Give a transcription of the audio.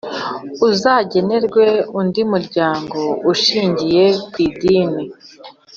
Uzagenerwa undi muryango ushingiye ku idini